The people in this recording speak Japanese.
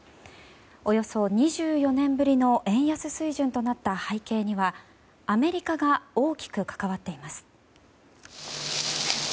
およそ２４年ぶりの円安水準となった背景にはアメリカが大きく関わっています。